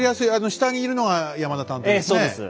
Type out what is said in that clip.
下にいるのが山田探偵ですね。